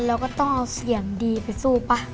เราก็ต้องเอาเสียงดีไปสู้ป่ะ